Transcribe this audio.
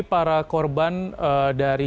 para korban dari